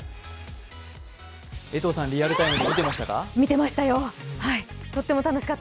江藤さん、リアルタイムで見てましたか？